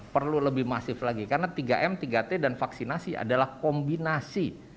perlu lebih masif lagi karena tiga m tiga t dan vaksinasi adalah kombinasi